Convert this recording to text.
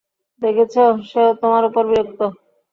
দেখেছ, সেও তোমার ওপর বিরক্ত।